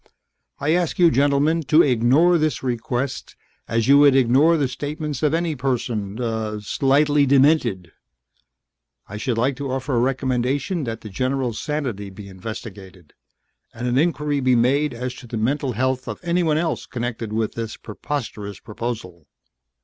I ask you, gentlemen, to ignore this request as you would ignore the statements of any person ... er, slightly demented. I should like to offer a recommendation that the general's sanity be investigated, and an inquiry be made as to the mental health of anyone else connected with this preposterous proposal!"